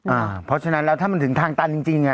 อ่าเพราะฉะนั้นแล้วถ้ามันถึงทางตันจริง